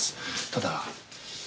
ただ。